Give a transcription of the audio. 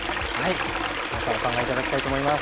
皆さんお考え頂きたいと思います。